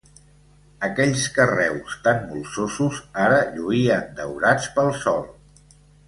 Aquells carreus tan molsosos, ara lluïen daurats pel sol.